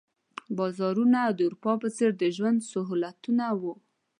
بازارونه او د اروپا په څېر د ژوند سهولتونه وو.